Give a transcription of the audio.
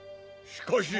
しかし。